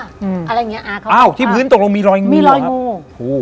อ้าวที่พื้นตกลงมีลอยงูอะ